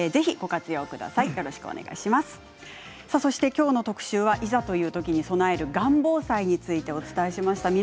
今日の特集はいざという時に備えるがん防災についてお伝えしました。